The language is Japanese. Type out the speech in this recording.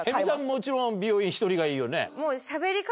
もちろん美容院１人がいいよね？